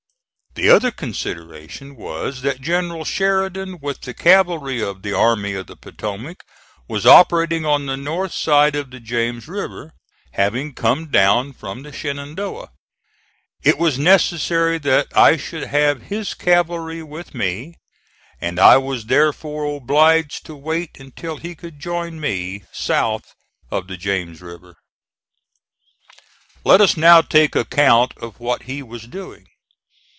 The other consideration was that General Sheridan with the cavalry of the Army of the Potomac was operating on the north side of the James River, having come down from the Shenandoah. It was necessary that I should have his cavalry with me, and I was therefore obliged to wait until he could join me south of the James River. Let us now take account of what he was doing.